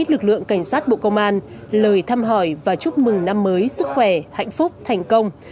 lực lượng cảnh sát bộ công an lời thăm hỏi và chúc mừng năm mới sức khỏe hạnh phúc thành công